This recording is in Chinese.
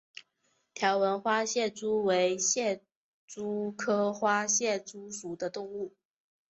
条纹花蟹蛛为蟹蛛科花蟹蛛属的动物。